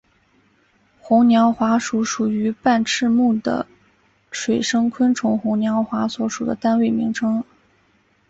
红娘华属属于半翅目的水生昆虫红娘华所属的单位名称。